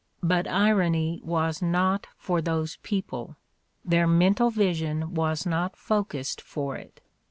But irony was not for those people ; their men tal vision was not focussed for it.